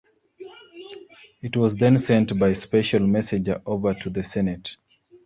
It was then sent by special messenger over to the Senate.